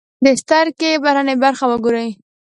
د سترکې بهرنۍ برخه و ګورئ.